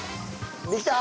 できた！